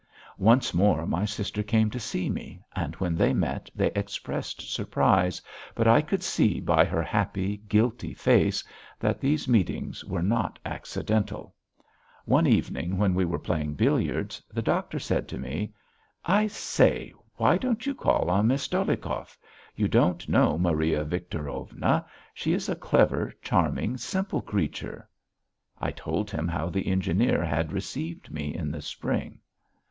Once more my sister came to see me, and when they met they expressed surprise, but I could see by her happy, guilty face that these meetings were not accidental. One evening when we were playing billiards the doctor said to me: "I say, why don't you call on Miss Dolyhikov? You don't know Maria Victorovna. She is a clever, charming, simple creature." I told him how the engineer had received me in the spring.